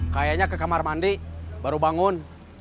kayaknya ke kamar mandi baru bangun